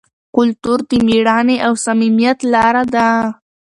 کلتور د مېړانې او صمیمیت لاره ده.